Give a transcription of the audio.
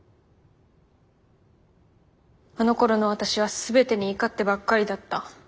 あのころの私は全てに怒ってばっかりだった。